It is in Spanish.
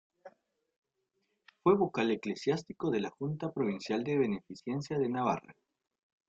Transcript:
Fue vocal eclesiástico de la Junta Provincial de Beneficencia de Navarra.